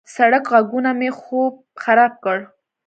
د سړک غږونه مې خوب خراب کړ.